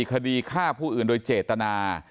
คดีฆ่าผู้อื่นโดยเจตนา